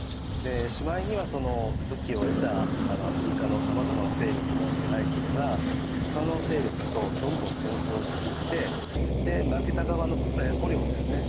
しまいにはその武器を得たアフリカのさまざまな勢力の支配層がほかの勢力とどんどん戦争をしていってで負けた側の捕虜をですね